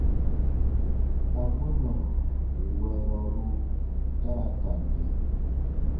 Amɔna wɛrɔru ta ra ka nɛ?